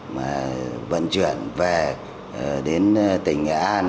mà vận chuyển về đến tỉnh nghệ an